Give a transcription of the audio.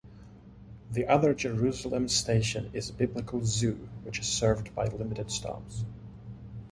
The other Jerusalem station is Biblical Zoo which is served by limited stops.